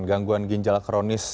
gangguan ginjal kronis